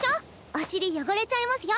お尻汚れちゃいますよ。